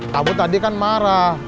kamu tadi kan marah